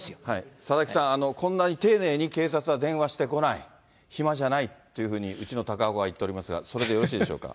佐々木さん、こんなに丁寧に警察は電話してこない、ひまじゃないっていうふうに、うちの高岡が言っておりますが、それでよろしいでしょうか。